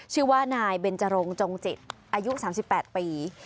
ชื่อว่านายเบนจรงจงจิตอายุ๓๘ปี